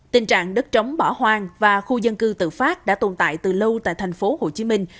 tình trạng đất trống bỏ hoang và khu dân cư tự phát đã tồn tại từ lâu tại thành phố hồ chí minh